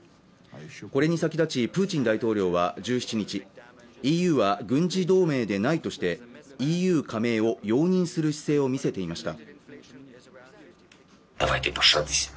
これに先立ちプーチン大統領は１７日ＥＵは軍事同盟でないとしてＥＵ加盟を容認する姿勢を見せていました